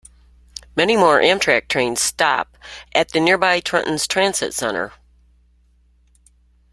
Many more Amtrak trains stop at the nearby Trenton Transit Center.